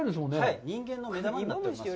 はい、人間の目玉になっております。